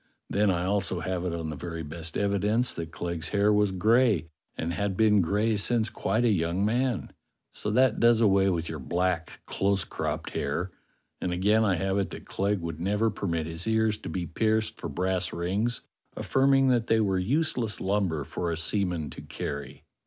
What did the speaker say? Then I also have it on the very best evidence that Clegg's hair was gray, and had been gray since quite a young man; so that does away with your black, close cropped hair. And again I have it that Clegg would never permit his ears to be pierced for brass rings, affirming that they were useless lumber for a seaman to carry."